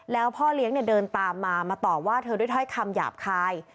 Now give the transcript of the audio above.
แล้วพ่อเลี้ยงเดินตามมามาต่อว่าเธอด้วยถ้อยคำหยาบคาย